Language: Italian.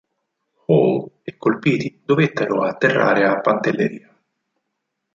Hall, e colpiti dovettero atterrare a Pantelleria.